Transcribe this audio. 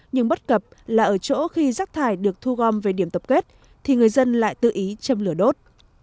nhưng bất cập là ở chỗ khi rác thải được thu gom về điểm tập kết thì người dân lại tự ý châm lửa đốt